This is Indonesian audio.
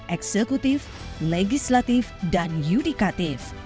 eksekutif legislatif dan yudikatif